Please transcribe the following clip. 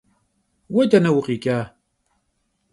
Vue dene vukhiç'a?